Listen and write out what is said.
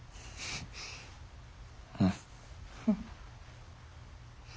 うん。